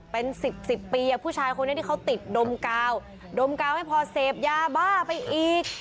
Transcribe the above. เป็นสิบสิบปีผู้ชายคนนี้ที่เขาติดดมกาวดมกาวไม่พอเสพยาบ้าไปอีก